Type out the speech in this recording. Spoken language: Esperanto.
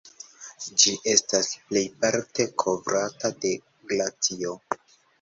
Ĝi estas plejparte kovrata de glacio.